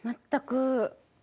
全く。